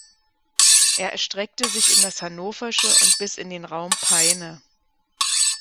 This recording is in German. Er erstreckte sich in das Hannoversche und bis in den Raum Peine.